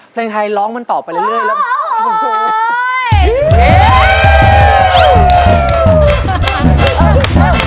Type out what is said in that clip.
เพลงไทยร้องมันต่อไปเรื่อยแล้ว